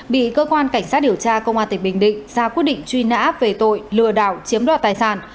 bị cơ quan cảnh sát điều tra công an tỉnh bình định ra quyết định truy nã về tội lừa đảo chiếm đoạt tài sản